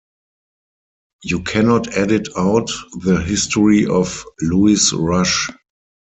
You cannot edit out the history of Louis Rush.